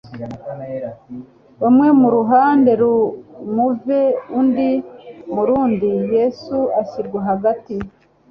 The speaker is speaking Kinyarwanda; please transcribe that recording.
«umwe mu ruhande rumuve undi mu rundi, Yesu ashyirwa hagati.»